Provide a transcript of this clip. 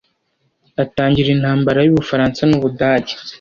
atangira intambara y'ubufaransa n'ubudage